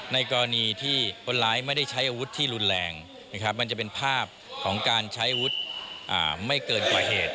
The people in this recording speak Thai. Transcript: ในกรณีที่คนร้ายไม่ได้ใช้อาวุธที่รุนแรงนะครับมันจะเป็นภาพของการใช้อาวุธไม่เกินกว่าเหตุ